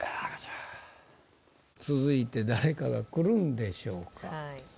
続いて誰かが来るんでしょうか？